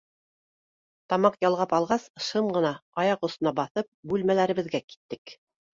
Тамаҡ ялғап алғас, шым ғына аяҡ осона баҫып, бүлмәләребеҙгә киттек.